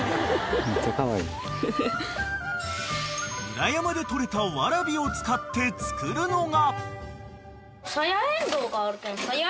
［裏山で採れたワラビを使って作るのが］